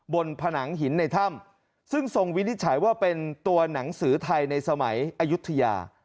ผนังหินในถ้ำซึ่งทรงวินิจฉัยว่าเป็นตัวหนังสือไทยในสมัยอายุทยา